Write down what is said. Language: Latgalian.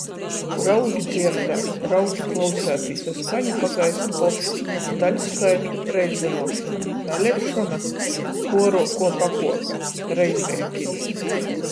Raugi dzierdēt, raugi klauseitīs, a skaņa pagaist poša. Daļskaitļu reizynuošona. Daleišona? Puoruokuo pakuope. Reizriekini.